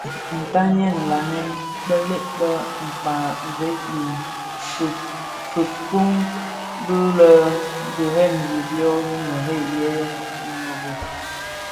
Ntanyèn nlanèn bëlëk a kpaň veg i fikpmid mbi bè dheremzi byō mëghei yè mënōbō.